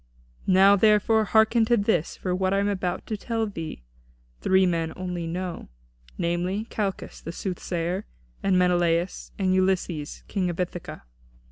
Now, therefore, hearken to this, for what I am about to tell thee three men only know, namely, Calchas, the soothsayer, and Menelaus, and Ulysses, King of Ithaca.